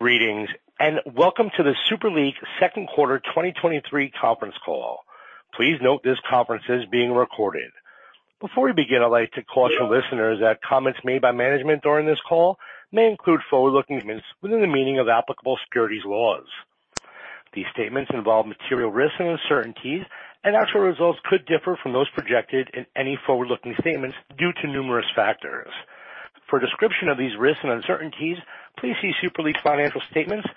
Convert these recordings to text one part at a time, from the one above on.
Greetings, and welcome to the Super League second quarter 2023 conference call. Please note this conference is being recorded. Before we begin, I'd like to caution listeners that comments made by management during this call may include forward-looking statements within the meaning of applicable securities laws. These statements involve material risks and uncertainties, and actual results could differ from those projected in any forward-looking statements due to numerous factors. For a description of these risks and uncertainties, please see Super League's financial statements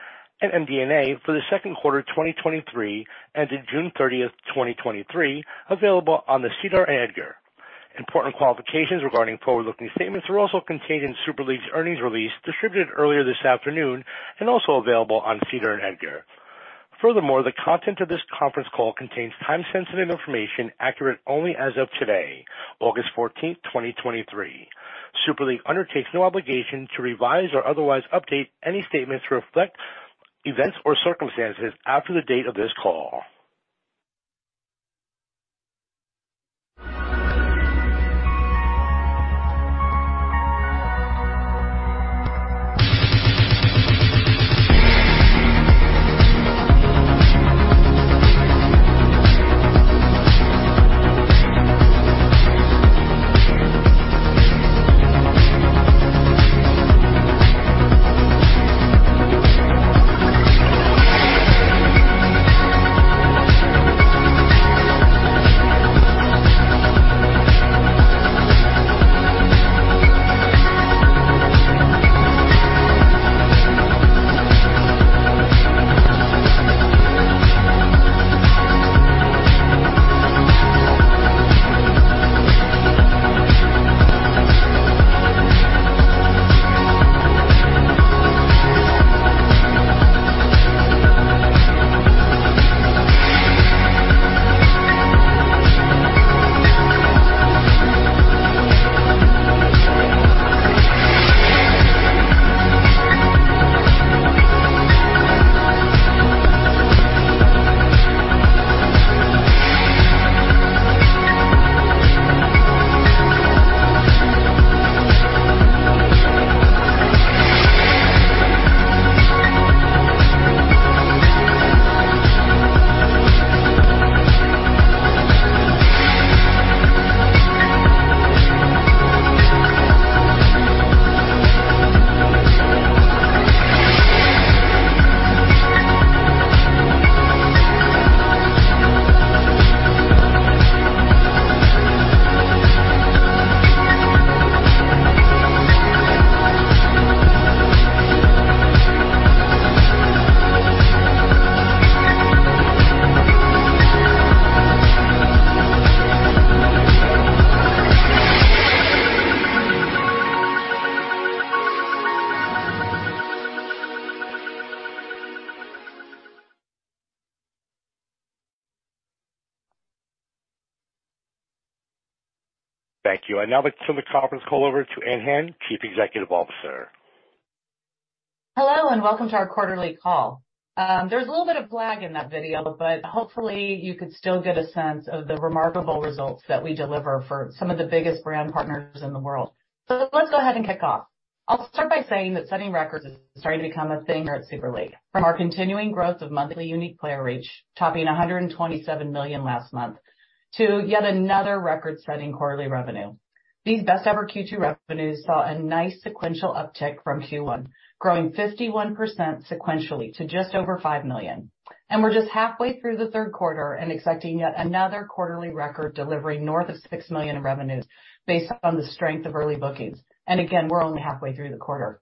and MD&A for the second quarter of 2023 ended June 30, 2023, available on the SEDAR and EDGAR. Important qualifications regarding forward-looking statements are also contained in Super League's earnings release, distributed earlier this afternoon, and also available on SEDAR and EDGAR. Furthermore, the content of this conference call contains time-sensitive information, accurate only as of today, August 14, 2023. Super League undertakes no obligation to revise or otherwise update any statements to reflect events or circumstances after the date of this call. Thank you. I'd now like to turn the conference call over to Ann Hand, Chief Executive Officer. Hello, and welcome to our quarterly call. There's a little bit of lag in that video, but hopefully, you can still get a sense of the remarkable results that we deliver for some of the biggest brand partners in the world. Let's go ahead and kick off. I'll start by saying that setting records is starting to become a thing here at Super League. From our continuing growth of monthly unique player reach, topping $127 million last month, to yet another record-setting quarterly revenue. These best-ever Q2 revenues saw a nice sequential uptick from Q1, growing 51% sequentially to just over $5 million. We're just halfway through the third quarter and expecting yet another quarterly record delivery north of $6 million in revenues based on the strength of early bookings. Again, we're only halfway through the quarter.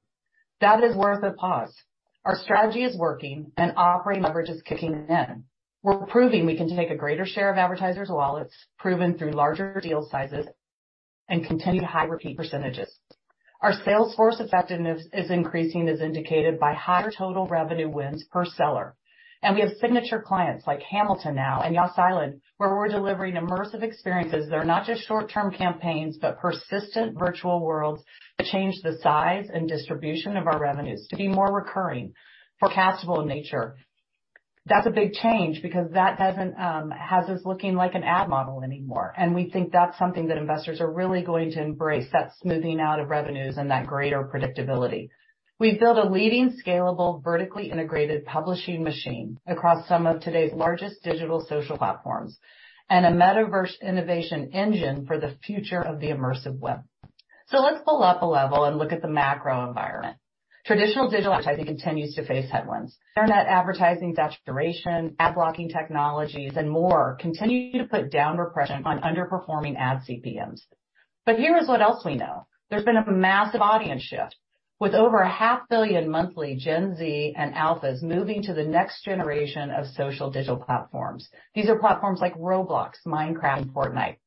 That is worth a pause. Our strategy is working, and operating leverage is kicking in. We're proving we can take a greater share of advertisers' wallets, proven through larger deal sizes and continued high repeat percentages. Our sales force effectiveness is increasing, as indicated by higher total revenue wins per seller. We have signature clients like Hamilton now and Yas Island, where we're delivering immersive experiences that are not just short-term campaigns, but persistent virtual worlds to change the size and distribution of our revenues to be more recurring and forecastable in nature. That's a big change because that doesn't have us looking like an ad model anymore, and we think that's something that investors are really going to embrace, that smoothing out of revenues and that greater predictability. We've built a leading, scalable, vertically integrated publishing machine across some of today's largest digital social platforms and a metaverse innovation engine for the future of the immersive web. Let's pull up a level and look at the macro environment. Traditional digital advertising continues to face headwinds. Internet advertising, saturation, ad blocking technologies, and more continue to put downward pressure on underperforming ad CPMs. Here is what else we know: There's been a massive audience shift, with over 0.5 billion monthly Gen Z and Alphas moving to the next generation of social digital platforms. These are platforms like Roblox, Minecraft, and Fortnite.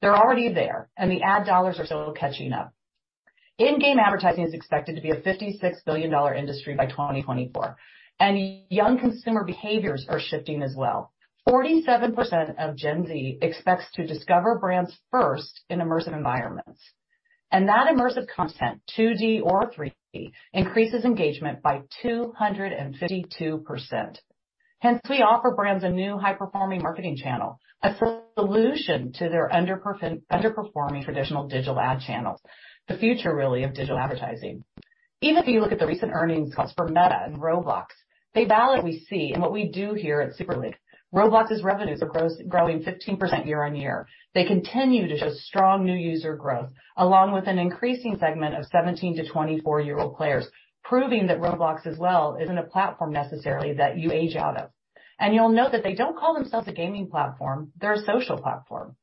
They're already there, and the ad dollars are still catching up. In-game advertising is expected to be a $56 billion industry by 2024, and young consumer behaviors are shifting as well. 47% of Gen Z expect to discover brands first in immersive environments. That immersive content, 2D or 3D, increases engagement by 252%. Hence, we offer brands a new high-performing marketing channel, a solution to their underperforming traditional digital ad channels. The future, really, of digital advertising. Even if you look at the recent earnings results for Meta and Roblox, they validate what we see and what we do here at Super League. Roblox's revenues are growing 15% year-over-year. They continue to show strong new user growth, along with an increasing segment of 17-24-year-old players, proving that Roblox, as well, isn't a platform necessarily that you age out of. You'll note that they don't call themselves a gaming platform; they're a social platform.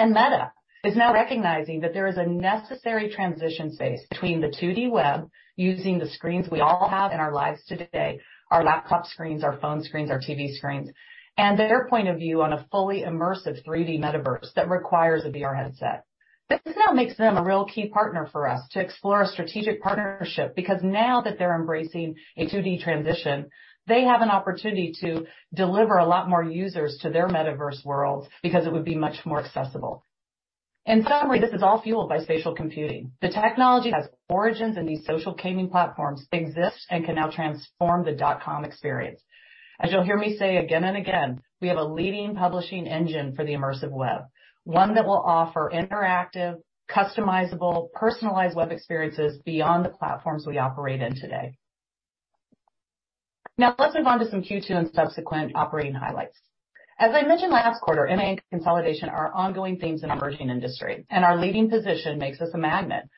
Meta is now recognizing that there is a necessary transition space between the 2D web, using the screens we all have in our lives today, our laptop screens, our phone screens, our TV screens, and their point of view on a fully immersive 3D metaverse that requires a VR headset. This now makes them a real key partner for us to explore a strategic partnership, because now that they're embracing a 2D transition, they have an opportunity to deliver a lot more users to their metaverse world, because it would be much more accessible. Finally, this is all fueled by spatial computing. The technology has origins in these social gaming platforms that exist and can now transform the dot-com experience. As you'll hear me say again and again, we have a leading publishing engine for the immersive web, one that will offer interactive, customizable, personalized web experiences beyond the platforms we operate in today. Now let's move on to some Q2 and subsequent operating highlights. As I mentioned last quarter, M&A consolidations are ongoing themes in the emerging industry, and our leading position makes us a magnet.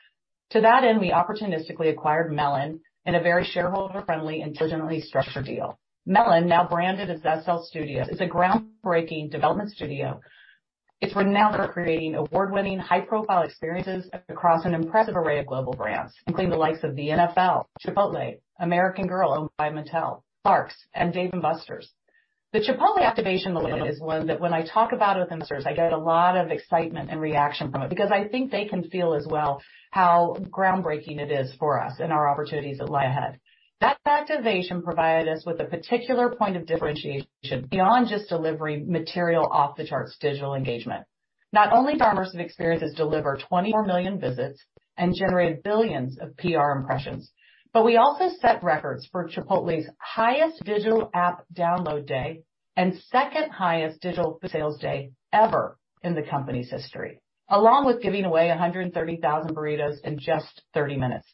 To that end, we opportunistically acquired Melon in a very shareholder-friendly and diligently structured deal. Melon, now branded as Super League Studios, is a groundbreaking development studio. It's renowned for creating award-winning, high-profile experiences across an impressive array of global brands, including the likes of the NFL, Chipotle, American Girl, owned by Mattel, Clarks, and Dave & Buster's. The Chipotle activation with Melon is one that, when I talk about it with investors, I get a lot of excitement and reaction from it, because I think they can feel as well how groundbreaking it is for us and our opportunities that lie ahead. That activation provided us with a particular point of differentiation beyond just delivering material off-the-charts digital engagement. Not only did our immersive experiences deliver 24 million visits and generate billions of PR impressions, but we also set records for Chipotle's highest digital app download day and second-highest digital sales day ever in the company's history, along with giving away 130,000 burritos in just 30 minutes.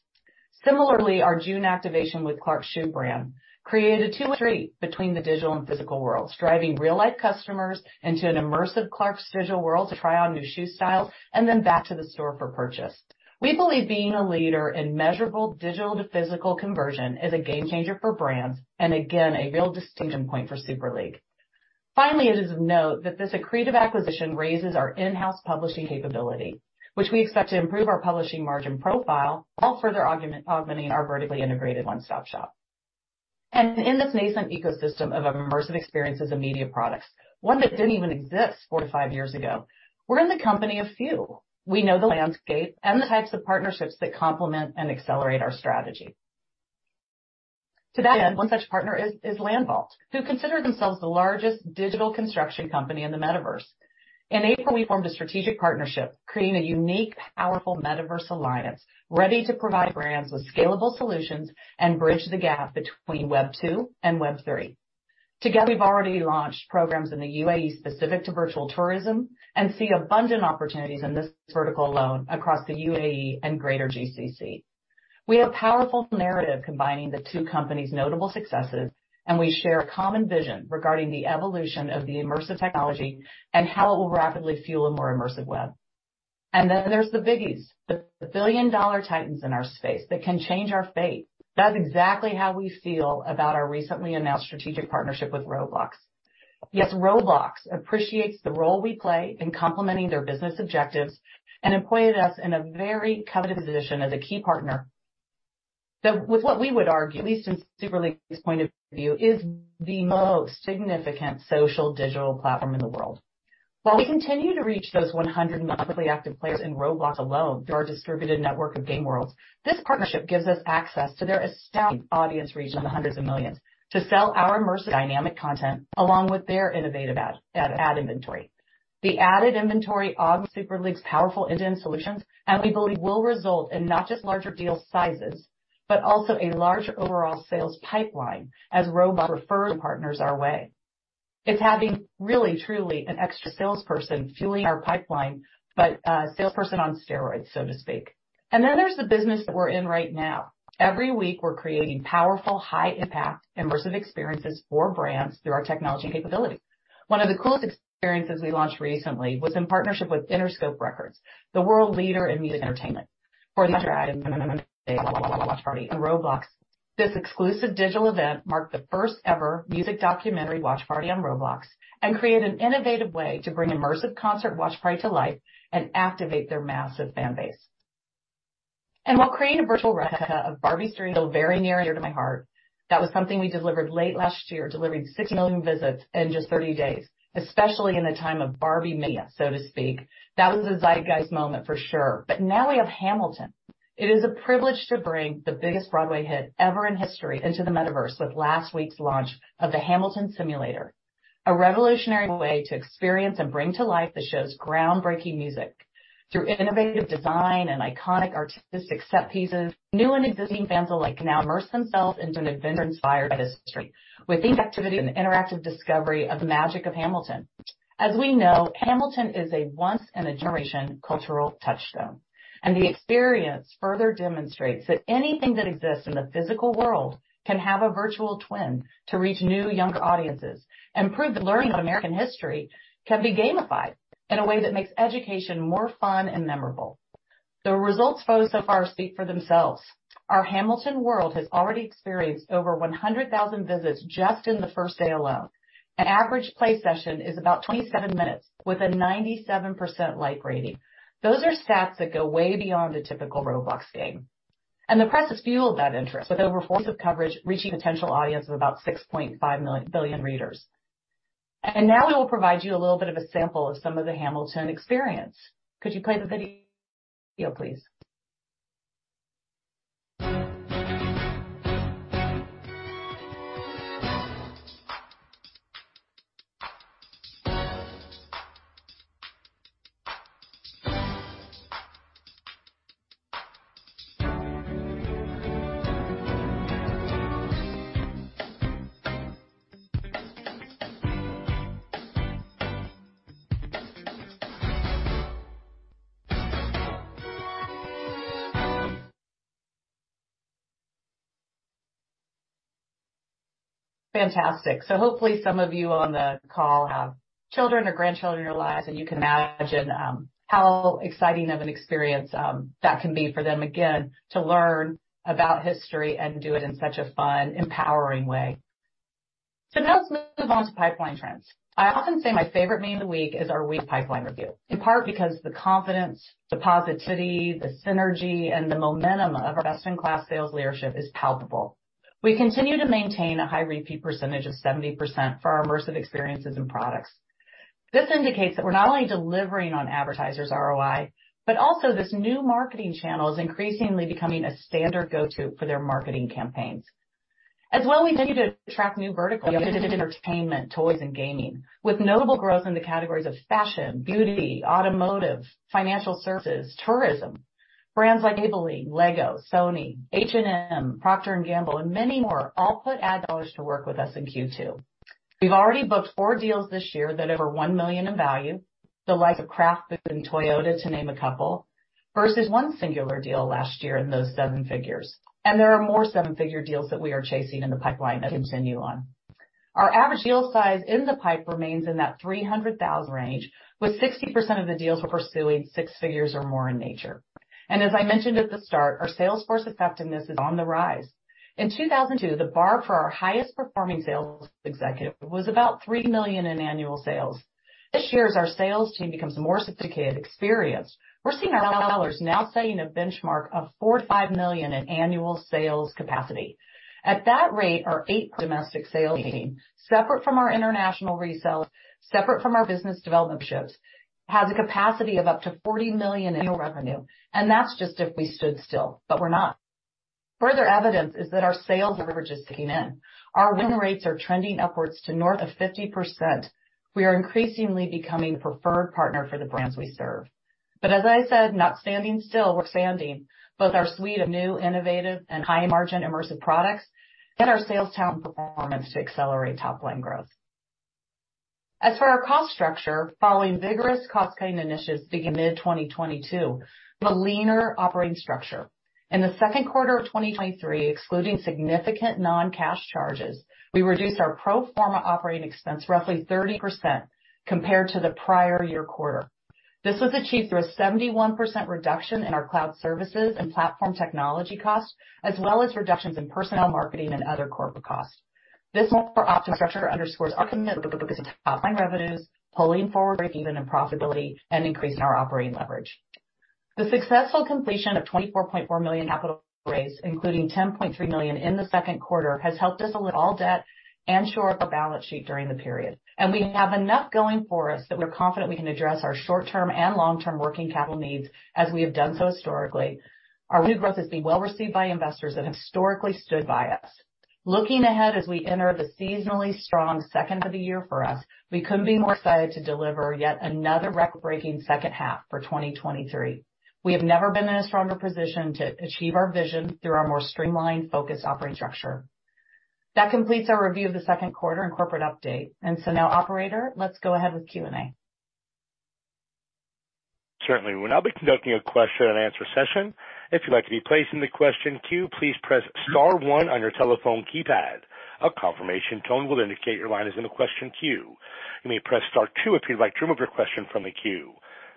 Similarly, our June activation with Clarks Shoe Brand created two or three between the digital and physical worlds, driving real-life customers into an immersive Clarks digital world to try on new shoe styles and then back to the store for purchase. We believe being a leader in measurable digital to physical conversion is a game-changer for brands and again, a real distinction point for Super League. It is of note that this accretive acquisition raises our in-house publishing capability, which we expect to improve our publishing margin profile, all further augmenting our vertically integrated one-stop shop. In this nascent ecosystem of immersive experiences and media products, one that didn't even exist four to five years ago, we're in the company a few. We know the landscape and the types of partnerships that complement and accelerate our strategy. To that end, one such partner is LandVault, who consider themselves the largest digital construction company in the metaverse. In April, we formed a strategic partnership, creating a unique, powerful metaverse alliance, ready to provide brands with scalable solutions and bridge the gap between Web2 and Web3. Together, we've already launched programs in the UAE specific to virtual tourism and see abundant opportunities in this vertical alone across the UAE and greater GCC. We have a powerful narrative combining the two companies' notable successes, and we share a common vision regarding the evolution of immersive technology and how it will rapidly fuel a more immersive web. Then there's the biggies, the billion-dollar titans in our space that can change our fate. That's exactly how we feel about our recently announced strategic partnership with Roblox. Yes, Roblox appreciates the role we play in complementing their business objectives and appointed us in a very coveted position as a key partner. With what we would argue, at least from Super League's point of view, is the most significant social digital platform in the world. While we continue to reach those 100 million monthly active players in Roblox alone through our distributed network of game worlds, this partnership gives us access to their established audience, reaching in the hundreds of millions, to sell our immersive dynamic content along with their innovative ad, ad, ad inventory. The added inventory on Super League's powerful engine solutions, and we believe, will result in not just larger deal sizes, but also a larger overall sales pipeline as Roblox refers partners our way. It's having really, truly an extra salesperson fueling our pipeline, but a salesperson on steroids, so to speak. Then there's the business that we're in right now. Every week, we're creating powerful, high-impact, immersive experiences for brands through our technology capability. One of the coolest experiences we launched recently was in partnership with Interscope Records, the world leader in music entertainment. For the watch party on Roblox, this exclusive digital event marked the first-ever music documentary watch party on Roblox and created an innovative way to bring an immersive concert watch party to life and activate their massive fan base. While creating a virtual replica of Barbie is still very near and dear to my heart, that was something we delivered late last year, delivering 6 million visits in just 30 days, especially in the time of Barbie mania, so to speak. That was a zeitgeist moment for sure. Now we have Hamilton. It is a privilege to bring the biggest Broadway hit ever in history into the metaverse with last week's launch of the Hamilton Simulator. A revolutionary way to experience and bring to life the show's groundbreaking music. Through innovative design and iconic artistic set pieces, new and existing fans alike can now immerse themselves in an adventure inspired by this history, with each activity and interactive discovery of the magic of Hamilton. As we know, Hamilton is a once-in-a-generation cultural touchstone, and the experience further demonstrates that anything that exists in the physical world can have a virtual twin to reach new, younger audiences and prove that learning about American history can be gamified in a way that makes education more fun and memorable. The results so far speak for themselves. Our Hamilton world has already experienced over 100,000 visits just in the first day alone. An average play session is about 27 minutes, with a 97% like rating. Those are stats that go way beyond a typical Roblox game, and the press has fueled that interest, with over four pieces of coverage reaching a potential audience of about $6.5 billion readers. Now we will provide with a little bit of a sample of some of the Hamilton experience. Could you play the video, please? Fantastic. Hopefully, some of you on the call have children or grandchildren in your lives, and you can imagine how exciting of an experience that can be for them, again, to learn about history and do it in such a fun, empowering way. Now let's move on to pipeline trends. I often say my favorite meeting of the week is our week pipeline review, in part because the confidence, the positivity, the synergy, and the momentum of our best-in-class sales leadership is palpable. We continue to maintain a high repeat percentage of 70% for our immersive experiences and products. This indicates that we're not only delivering on advertisers' ROI, but also this new marketing channel is increasingly becoming a standard go-to for their marketing campaigns. We continue to attract new verticals, entertainment, toys, and gaming, with notable growth in the categories of fashion, beauty, automotive, financial services, and tourism. Brands like American Girl, Lego, Sony, H&M, Procter & Gamble, and many more, all put ad dollars to work with us in Q2. We've already booked 4 deals this year that are over $1 million in value, the likes of Kraft and Toyota, to name a couple. Versus one singular deal last year in those seven figures. There are more seven-figure deals that we are chasing in the pipeline that continue on. Our average deal size in the pipe remains in that $300,000 range, with 60% of the deals we're pursuing six figures or more in nature. As I mentioned at the start, our sales force effectiveness is on the rise. In 2002, the bar for our highest performing sales executive was about $3 million in annual sales. This year, as our sales team becomes more sophisticated and experienced, we're seeing our sellers now setting a benchmark of $4 million-$5 million in annual sales capacity. At that rate, our eight domestic sales team, separate from our international resales, separate from our business development partnerships, has a capacity of up to $40 million annual revenue, and that's just if we stood still. We're not. Further evidence is that our sales leverage is kicking in. Our win rates are trending upwards to north of 50%. We are increasingly becoming the preferred partner for the brands we serve. As I said, not standing still, we're expanding both our suite of new, innovative, and high-margin immersive products and our sales talent performance to accelerate top-line growth. As for our cost structure, following vigorous cost-cutting initiatives beginning mid-2022, we have a leaner operating structure. In the second quarter of 2023, excluding significant non-cash charges, we reduced our pro forma operating expense by roughly 30% compared to the prior year quarter- This was achieved through a 71% reduction in our cloud services and platform technology costs, as well as reductions in personnel, marketing, and other corporate costs. This pro forma structure underscores our commitment to top-line revenues, pulling forward even in profitability and increasing our operating leverage. The successful completion of a $24.4 million capital raise, including $10.3 million in the second quarter, has helped us deliver all debt and shore up our balance sheet during the period. We have enough going for us that we're confident we can address our short-term and long-term working capital needs as we have done so historically. Our new growth has been well received by investors that historically stood by us. Looking ahead, as we enter the seasonally strong second half of the year for us, we couldn't be more excited to deliver yet another record-breaking second half for 2023. We have never been in a stronger position to achieve our vision through our more streamlined, focused operating structure. That completes our review of the second quarter and corporate update. So now, operator, let's go ahead with Q&A. Certainly. We will now be conducting a question-and-answer session. If you'd like to be placed in the question queue, please press star one on your telephone keypad. A confirmation tone will indicate your line is in the question queue. You may press star two if you'd like to remove your question from the queue.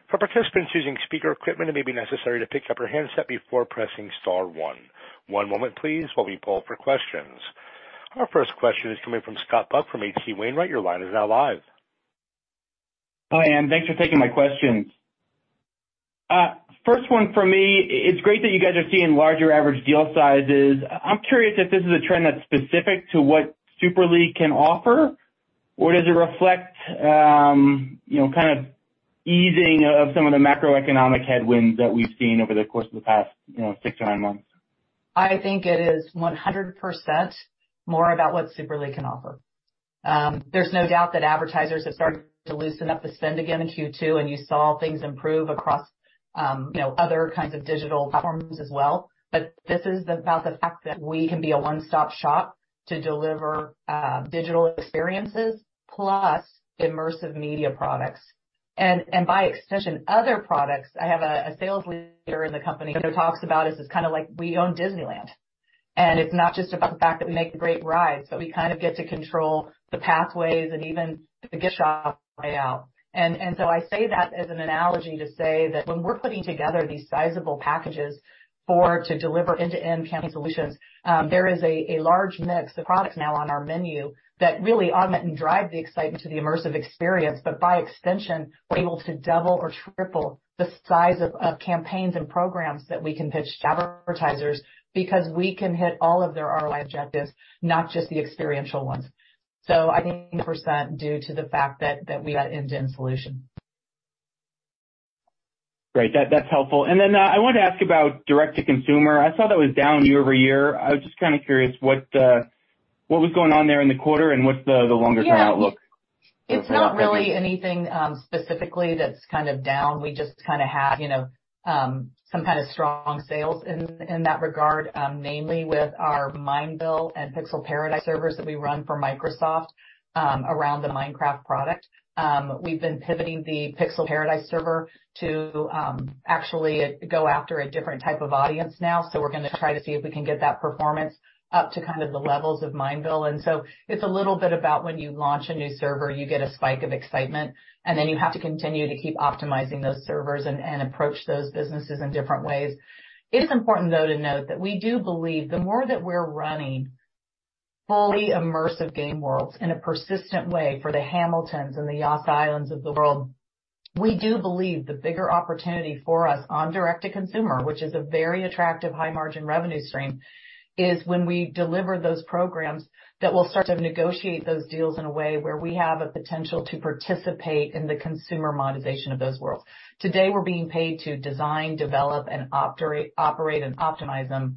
For participants using speaker equipment, it may be necessary to pick up your handset before pressing star one. One moment, please, while we pull for questions. Our first question is coming from Scott Buck from H.C. Wainwright and Co. Your line is now live. Hi, Ann. Thanks for taking my questions. First one for me, it's great that you guys are seeing larger average deal sizes. I'm curious if this is a trend that's specific to what Super League can offer, or does it reflect, you know, kind of easing of some of the macroeconomic headwinds that we've seen over the course of the past, you know, six to nine months? I think it is 100% more about what Super League can offer. There's no doubt that advertisers have started to loosen up the spend again in Q2, and you saw things improve across, you know, other kinds of digital platforms as well. This is about the fact that we can be a one-stop shop to deliver digital experiences, plus immersive media products, and by extension, other products. I have a, a sales leader in the company who talks about us as kind of like, we own Disneyland. It's not just about the fact that we make great rides, but we kind of get to control the pathways and even the gift shop layout. I say that as an analogy to say that when we're putting together these sizable packages to deliver end-to-end campaign solutions, there is a large mix of products now on our menu that really augment and drive the excitement to the immersive experience. By extension, we're able to double or triple the size of campaigns and programs that we can pitch to advertisers because we can hit all of their ROI objectives, not just the experiential ones. I think % due to the fact that we got end-to-end solution. Great. That, that's helpful. And then, I wanted to ask about Direct-to-Consumer. I saw that it was down year-over-year. I was just kind of curious what, what was going on there in the quarter and what's the, the longer term outlook? It's not really anything, specifically, that's kind of down. We just kind of had, you know, some kind of strong sales in, in that regard, mainly with our Mineville and Pixel Paradise servers that we run for Microsoft, around the Minecraft product. We've been pivoting the Pixel Paradise server to actually go after a different type of audience now. We're going to try to see if we can get that performance up to kind of the levels of Mineville. It's a little bit about when you launch a new server, you get a spike of excitement, and then you have to continue to keep optimizing those servers and approach those businesses in different ways. It is important, though, to note that we do believe the more that we're running fully immersive game worlds in a persistent way for the Hamiltons and the Yas Island of the world, we do believe the bigger opportunity for us on Direct-to-Consumer, which is a very attractive high-margin revenue stream, is when we deliver those programs that will start to negotiate those deals in a way where we have a potential to participate in the consumer monetization of those worlds. Today, we're being paid to design, develop, operate, and optimize them.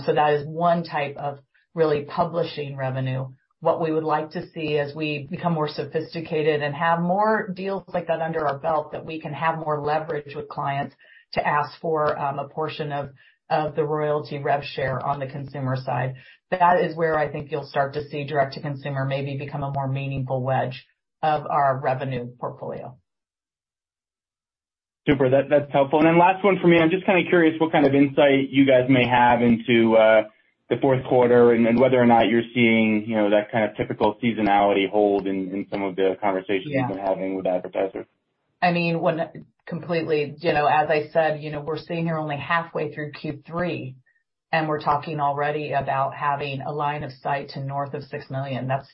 So that is one type of real publishing revenue. What we would like to see as we become more sophisticated and have more deals like that under our belt, is that we can have more leverage with clients to ask for a portion of, of the royalty rev share on the consumer side. That is where I think you'll start to see Direct-to-Consumer maybe become a more meaningful wedge of our revenue portfolio. Super, that, that's helpful. Last one for me. I'm just kind of curious what kind of insight you guys may have into the fourth quarter and then whether or not you're seeing, you know, that kind of typical seasonality hold in, in some of the conversations you've been having with advertisers? I mean, completely, you know, as I said, you know, we're sitting here only halfway through Q3, we're talking already about having a line of sight to north of $6 million. That's,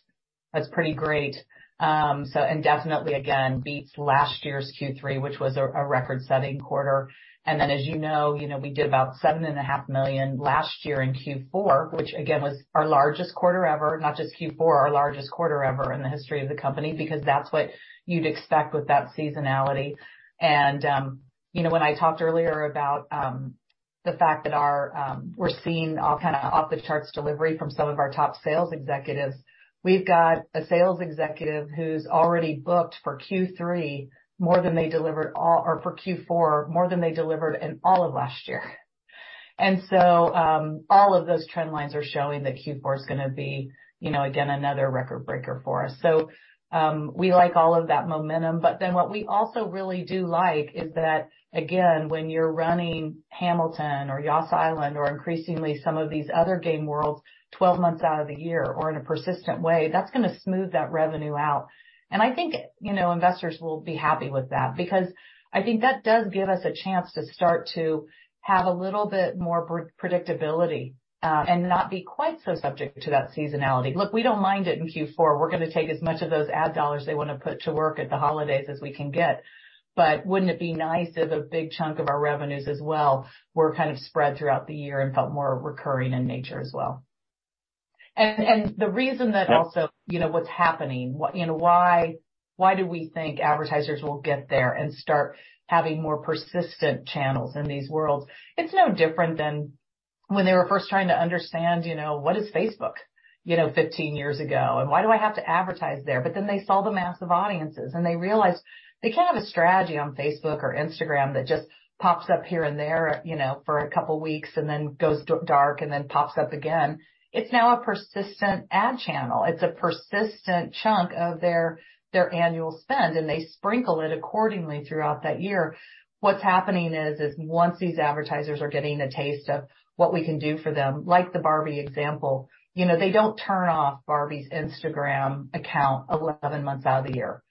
that's pretty great. Definitely, again, beats last year's Q3, which was a, a record-setting quarter. As you know, we did about $7.5 million last year in Q4, which, again, was our largest quarter ever, not just Q4, our largest quarter ever in the history of the company, because that's what you'd expect with that seasonality. You know, when I talked earlier about the fact that our, we're seeing all kinds of off-the-charts delivery from some of our top sales executives, we've got a sales executive who's already booked for Q3, more than they delivered all-- or for Q4, more than they delivered in all of last year. All of those trend lines are showing that Q4 is going to be, you know, again, another record breaker for us. We like all of that momentum. What we also really do like is that, again, when you're running Hamilton or Yas Island, or increasingly, some of these other game worlds 12 months out of the year or in a persistent way, that's going to smooth that revenue out. I think, you know, investors will be happy with that, because I think that does give us a chance to start to have a little bit more predictability and not be quite so subject to that seasonality. Look, we don't mind it in Q4. We're going to take as many of those ad dollars they want to put to work at the holidays as we can get. Wouldn't it be nice if a big chunk of our revenues as well were kind of spread throughout the year and felt more recurring in nature as well? The reason is that you also know what's happening and why. Why do we think advertisers will get there and start having more persistent channels in these worlds? It's no different than when they were first trying to understand, you know, what is Facebook? You know, 15 years ago, and why do I have to advertise there? Then they saw the massive audiences, and they realized they can't have a strategy on Facebook or Instagram that just pops up here and there, you know, for a couple of weeks and then goes dark and then pops up again. It's now a persistent ad channel. It's a persistent chunk of their, their annual spend, and they sprinkle it accordingly throughout that year. What's happening is that once these advertisers are getting a taste of what we can do for them, like the Barbie example, you know, they don't turn off Barbie's Instagram account 11 months out of the year.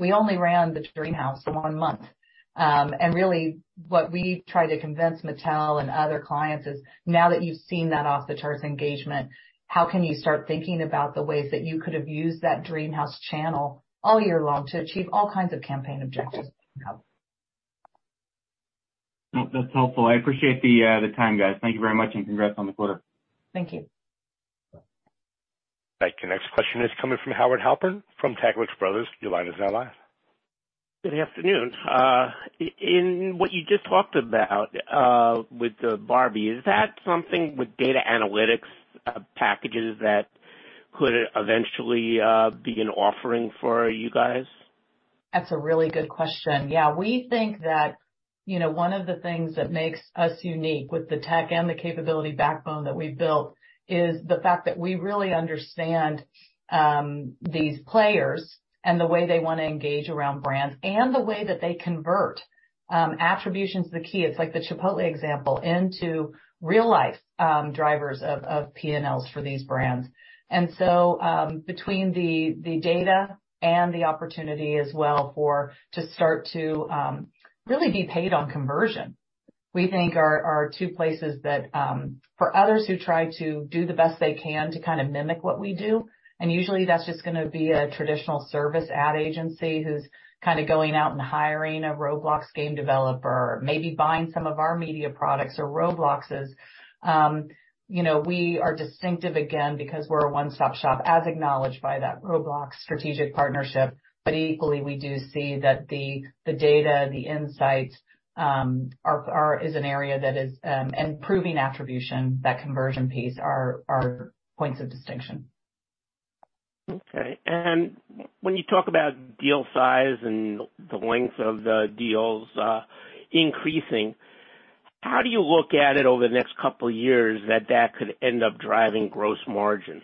We only ran the Dreamhouse for one month. Really, what we try to convince Mattel and other clients is, now that you've seen that off-the-charts engagement, how can you start thinking about the ways that you could have used that Dreamhouse channel all year long to achieve all kinds of campaign objectives? That's helpful. I appreciate the time, guys. Thank you very much. Congrats on the quarter. Thank you. Thank you. The next question is coming from Howard Halpern from Taglich Brothers. Your line is now live. Good afternoon. In what you just talked about, with the Barbie, is that something with data analytics, packages that could eventually be an offering for you guys? That's a really good question. Yeah, we think that, you know, one of the things that makes us unique with the tech and the capability backbone that we've built is the fact that we really understand these players and the way they want to engage around brands and the way that they convert. Attribution is the key. It's like the Chipotle example into real life drivers of, of P&Ls for these brands. Between the data and the opportunity as well to start to really be paid on conversion, we think are two places that for others who try to do the best they can to kind of mimic what we do, and usually that's just going to be a traditional service ad agency who's kind of going out and hiring a Roblox game developer, maybe buying some of our media products or Robloxes. You know, we are distinctive again because we're a one-stop shop, as acknowledged by that Roblox strategic partnership. Equally, we do see that the data, the insights, is an area that is and proving attribution, that conversion piece, are points of distinction. Okay. When you talk about deal size and the length of the deals, increasing, how do you look at it over the next couple of years, that could end up driving gross margin?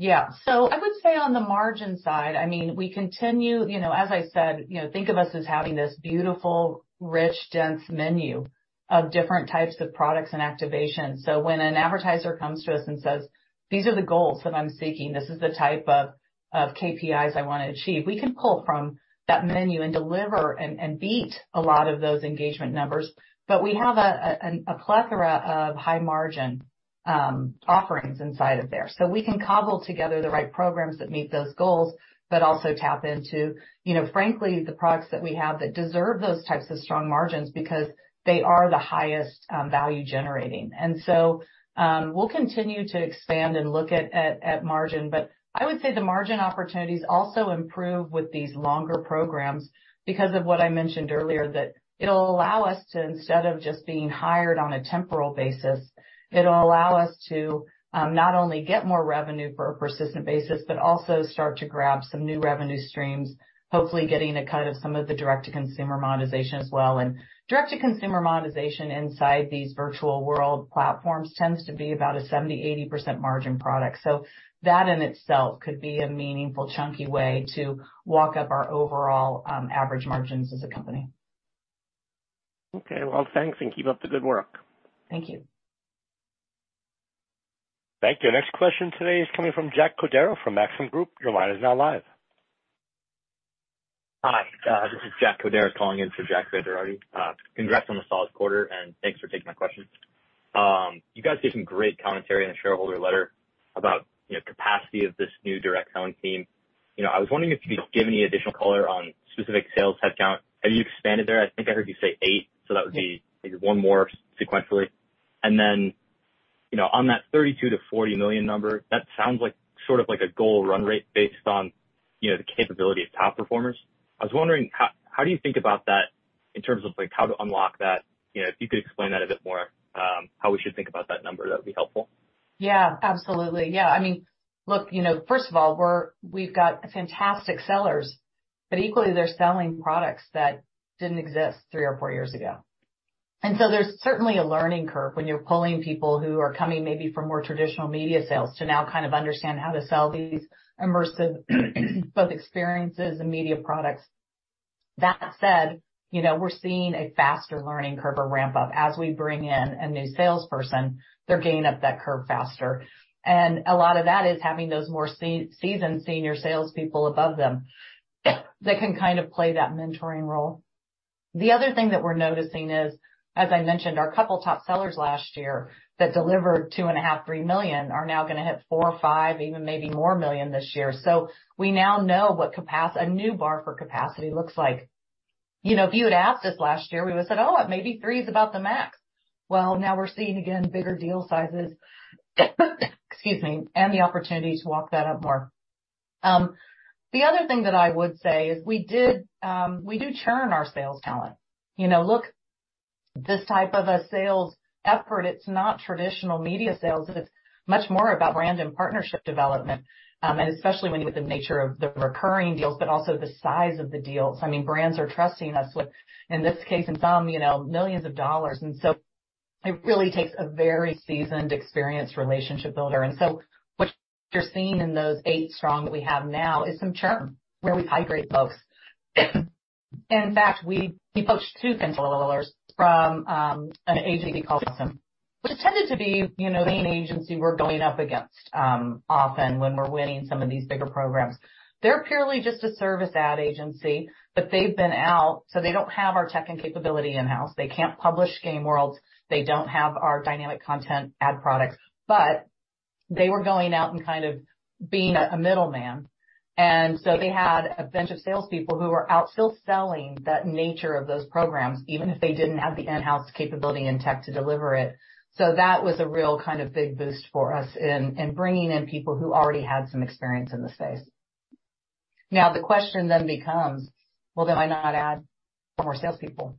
Yeah. I would say on the margin side, I mean, we continue... You know, as I said, you know, think of us as having this beautiful, rich, dense menu of different types of products and activations. When an advertiser comes to us and says, "These are the goals that I'm seeking, this is the type of, of KPIs I want to achieve," we can pull from that menu and deliver and, and beat a lot of those engagement numbers. We have a, a, an, a plethora of high-margin offerings inside of there. We can cobble together the right programs that meet those goals, but also tap into, you know, frankly, the products that we have that deserve those types of strong margins because they are the highest value-generating. We'll continue to expand and look at, at, at margin. I would say the margin opportunities also improve with these longer programs because of what I mentioned earlier, that it'll allow us to, instead of just being hired on a temporal basis, it'll allow us to not only get more revenue for a persistent basis, but also start to grab some new revenue streams, hopefully getting a cut of some of the Direct-to-Consumer monetization as well. Direct-to-Consumer monetization inside these virtual world platforms tends to be about a 70%-80% margin product. That in itself could be a meaningful, chunky way to walk up our overall average margins as a company. Okay, well, thanks, and keep up the good work. Thank you. Thank you. Next question today is coming from Jack Cordero from Maxim Group. Your line is now live. Hi, this is Jack Cordero calling in for Jack Vander Aarde. Congrats on the solid quarter, and thanks for taking my question. You guys gave some great commentary in the shareholder letter about, you know, capacity of this new direct selling team. You know, I was wondering if you could give any additional color on specific sales headcount. Have you expanded there? I think I heard you say eight, so that would be maybe one more sequentially. You know, on that $32 million-$40 million number, that sounds like sort of like a goal run rate based on, you know, the capability of top performers. I was wondering, how, how do you think about that in terms of, like, how to unlock that? You know, if you could explain that a bit more, how we should think about that number, that would be helpful. Yeah, absolutely. Yeah. I mean, look, you know, first of all, we've got fantastic sellers, but equally, they're selling products that didn't exist three or four years ago. There's certainly a learning curve when you're pulling people who are coming maybe from more traditional media sales, to now kind of understand how to sell these immersive, both experiences and media products. That said, you know, we're seeing a faster learning curve or ramp-up. As we bring in a new salesperson, they're getting up that curve faster, and a lot of that is having those more seasoned senior salespeople above them that can kind of play that mentoring role. The other thing that we're noticing is, as I mentioned, our couple top sellers last year that delivered $2.5 million-$3 million, are now going to hit $4 million or $5 million, even maybe more million this year. We now know what a new bar for capacity looks like. You know, if you had asked us last year, we would have said, "Oh, maybe three is about the max." Well, now we're seeing, again, bigger deal sizes, excuse me, and the opportunity to walk that up more. The other thing that I would say is we did. We do churn our sales talent. You know, look, this type of a sales effort, it's not traditional media sales. It's much more about brand and partnership development, and especially when you look at the nature of the recurring deals, but also the size of the deals. I mean, brands are trusting us with, in this case, in some, you know, millions of dollars. It really takes a very seasoned, experienced relationship builder. So what you're seeing in those eight strong that we have now is some churn, where we've hired folks. In fact, we, we poached two sellers from an agency called, which tended to be, you know, the agency we're going up against often when we're winning some of these bigger programs. They're purely just a service ad agency, but they've been out, so they don't have our tech and capability in-house. They can't publish game worlds. They don't have our dynamic content ad products, but they were going out and kind of being a middleman. So they had a bunch of salespeople who were out still selling that nature of those programs, even if they didn't have the in-house capability and tech to deliver it. That was a real kind of big boost for us in bringing in people who already had some experience in the space. Now, the question then becomes: well, then why not add more salespeople?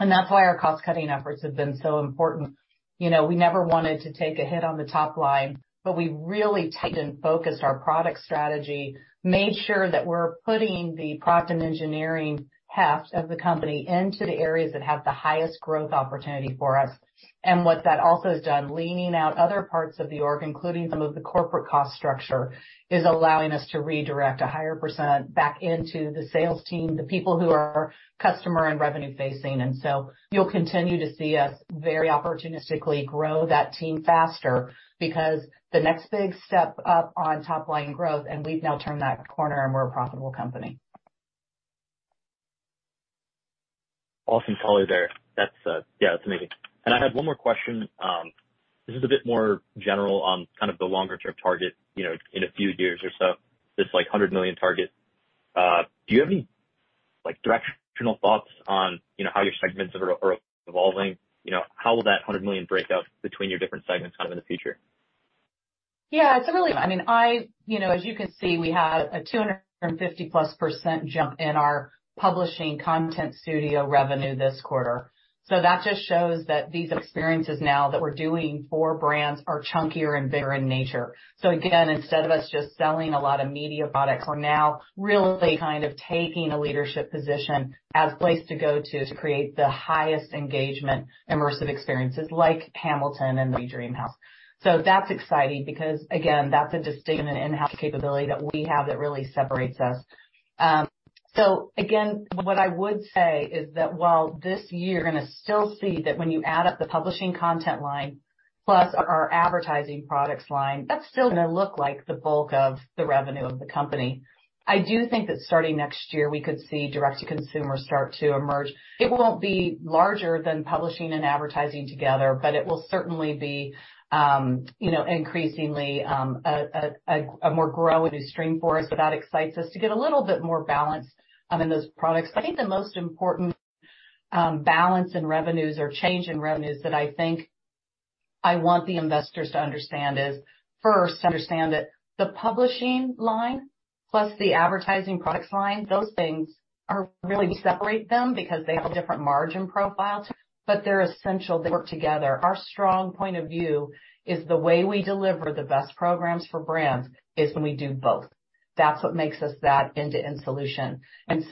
That's why our cost-cutting efforts have been so important. You know, we never wanted to take a hit on the top line, but we really tightened and focused our product strategy, made sure that we're putting the product and engineering heft of the company into the areas that have the highest growth opportunity for us. What that also has done, leaning out other parts of the org, including some of the corporate cost structure, is allowing us to redirect a higher % back into the sales team, the people who are customer and revenue facing. You'll continue to see us very opportunistically grow that team faster because the next big step up on top line growth, and we've now turned that corner, and we're a profitable company. Awesome follow there. That's, yeah, that's amazing. I had one more question. This is a bit more general on the kind of longer-term target, you know, in a few years or so, this, like, $100 million target. Do you have any, like, directional thoughts on, you know, how your segments are, are evolving? You know, how will that $100 million break out between your different segments kind of in the future? Yeah, I mean, you know, as you can see, we had a 250%+ jump in our publishing content studio revenue this quarter. That just shows that these experiences that we're doing for brands are chunkier and bigger in nature. Again, instead of us just selling a lot of media products, we're now really kind of taking a leadership position as a place to go to, to create the highest engagement, immersive experiences like Hamilton and The Dreamhouse. That's exciting because, again, that's a distinct in-house capability that we have that really separates us. Again, what I would say is that while this year, you're going to still see that when you add up the publishing content line, plus our advertising products line, that's still going to look like the bulk of the revenue of the company. I do think that starting next year, we could see Direct-to-Consumer start to emerge. It won't be larger than publishing and advertising together, but it will certainly be, you know, increasingly, a more growing stream for us. That excites us to get a little bit more balance in those products. I think the most important balance in revenues or change in revenues that I think I want the investors to understand is, first, understand that the publishing line plus the advertising products line, those things are-- really separate them because they have a different margin profile, but they're essential. They work together. Our strong point of view is that the way we deliver the best programs for brands is when we do both. That's what makes us an end-to-end solution.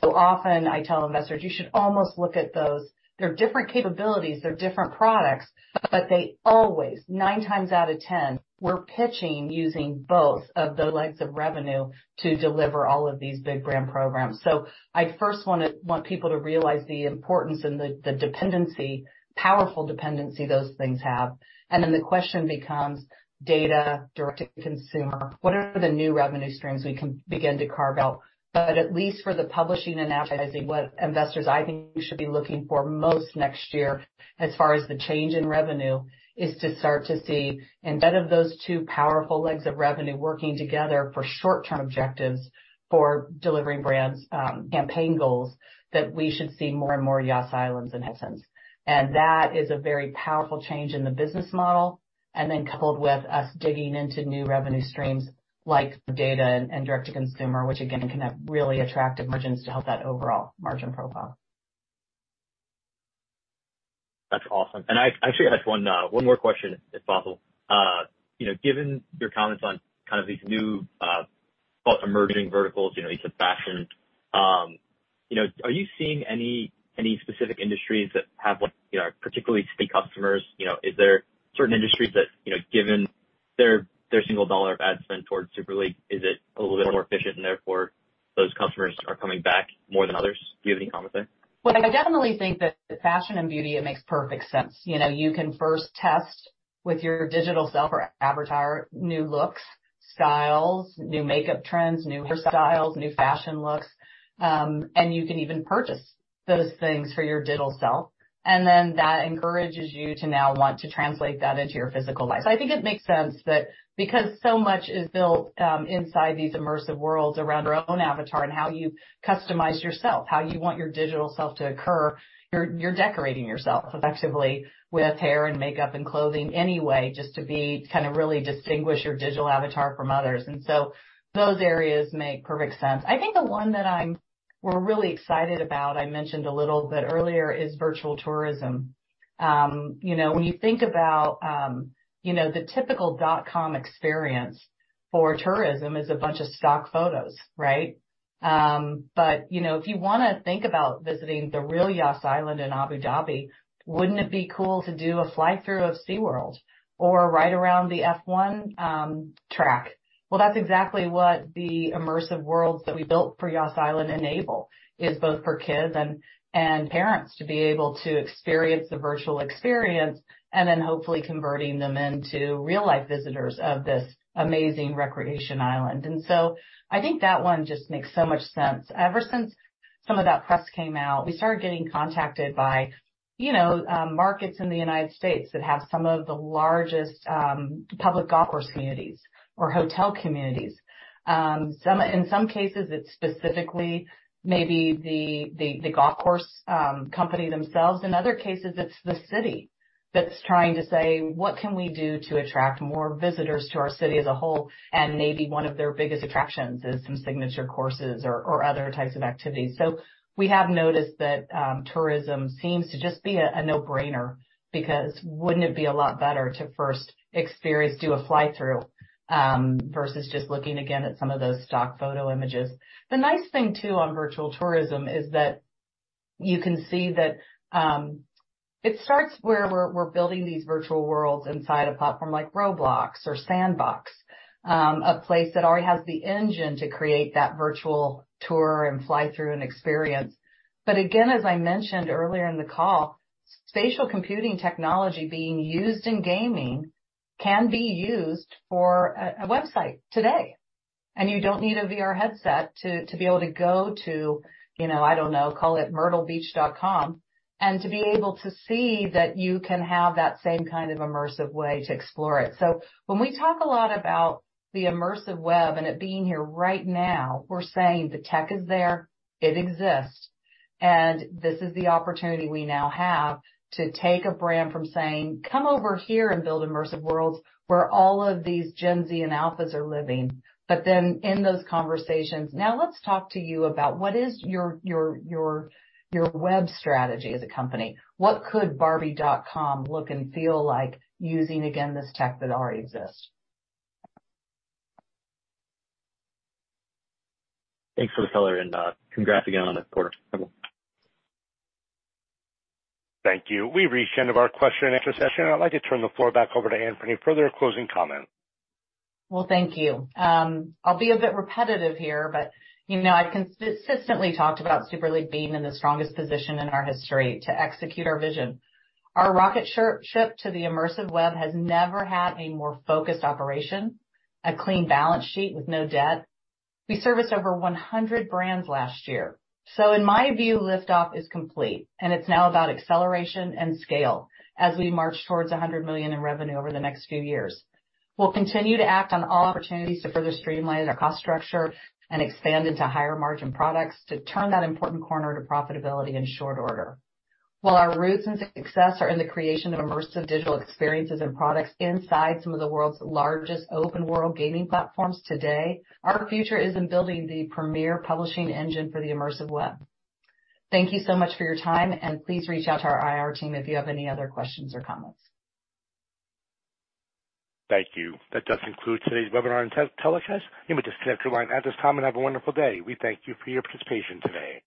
Often I tell investors, "You should almost look at those-- they're different capabilities, they're different products, but they always, 9x out of 10, we're pitching using both of the legs of revenue to deliver all of these big brand programs." I first want people to realize the importance and the, the dependency, the powerful dependency those things have. Then the question becomes data, Direct-to-Consumer, what are the new revenue streams we can begin to carve out? At least for the Publishing and Advertising, what I think investors should be looking for most next year, as far as the change in revenue, is to start to see, instead of those two powerful legs of revenue working together for short-term objectives for delivering brands' campaign goals, that we should see more and more Yas Island and Hisense. That is a very powerful change in the business model, then coupled with us digging into new revenue streams like data and Direct-to-Consumer, which again, can have really attractive margins to help that overall margin profile. I actually had one more question, if possible. You know, given your comments on kind of these new, call it emerging verticals, you know, into fashion, you know, are you seeing any, any specific industries that have, like, you know, particularly sticky customers? You know, is there certain industries that, you know, given their their $1 of ad spend towards Super League, are a little bit more efficient and therefore those customers are coming back more than others? Do you have any comment sthere? Well, I definitely think that fashion and beauty it makes perfect sense. You know, you can first test with your digital self or avatar, new looks, styles, new makeup trends, new hairstyles, new fashion looks. You can even purchase those things for your digital self, and then that encourages you to now want to translate that into your physical life. I think it makes sense that because so much is built inside these immersive worlds around our own avatar and how you customize yourself, how you want your digital self to occur, you're, decorating yourself effectively with hair and makeup and clothing anyway, just kind of really distinguish your digital avatar from others. Those areas make perfect sense. I think the one that we're really excited about, I mentioned a little bit earlier, is virtual tourism. You know, when you think about, you know, the typical dot-com experience for tourism is a bunch of stock photos, right? You know, if you want to think about visiting the real Yas Island in Abu Dhabi, wouldn't it be cool to do a fly-through of SeaWorld or ride around the F1 track? That's exactly what the immersive worlds that we built for Yas Island enable, is both for kids and parents to be able to experience the virtual experience and then hopefully convert them into real-life visitors of this amazing recreation island. I think that one just makes so much sense. Ever since some of that press came out, we started getting contacted by you know, markets in the United States that have some of the largest public golf course communities or hotel communities. In some cases, it's specifically maybe the, the, the golf course company themselves. In other cases, it's the city that's trying to say: What can we do to attract more visitors to our city as a whole? Maybe one of their biggest attractions is some signature courses or other types of activities. We have noticed that tourism seems to just be a, a no-brainer, because wouldn't it be a lot better to first experience, do a fly-through, versus just looking again at some of those stock photo images? The nice thing, too, on virtual tourism is that you can see that it starts where we're, we're building these virtual worlds inside a platform like Roblox or Sandbox, a place that already has the engine to create that virtual tour, fly-through, and experience. Again, as I mentioned earlier in the call, spatial computing technology being used in gaming can be used for a website today. You don't need a VR headset to be able to go to, you know, I don't know, call it myrtlebeach.com, and to be able to see that you can have that same kind of immersive way to explore it. When we talk a lot about the immersive web and it being here right now, we're saying the tech is there, it exists, and this is the opportunity we now have to take a brand from saying: Come over here and build immersive worlds where all of these Gen Z and Alphas are living. Then, in those conversations, let's talk to you about what your web strategy is as a company. What could Barbie.com look and feel like using, again, this tech that already exists? Thanks for the color, and congrats again on the quarter. Thank you. We've reached the end of our question-and-answer session. I'd like to turn the floor back over to Ann for any further closing comments. Well, thank you. I'll be a bit repetitive here, you know, I've consistently talked about Super League being in the strongest position in our history to execute our vision. Our rocket ship to the immersive web has never had a more focused operation, a clean balance sheet with no debt. We serviced over 100 brands last year. In my view, liftoff is complete, and it's now about acceleration and scale as we march towards $100 million in revenue over the next few years. We'll continue to act on all opportunities to further streamline our cost structure and expand into higher margin products to turn that important corner to profitability in short order. While our roots and success are in the creation of immersive digital experiences and products inside some of the world's largest open world gaming platforms today, our future is in building the premier publishing engine for the immersive web. Thank you so much for your time, please reach out to our IR team if you have any other questions or comments. Thank you. That does conclude today's webinar and telecast. You may disconnect your line at this time, and have a wonderful day. We thank you for your participation today.